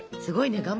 すごいね。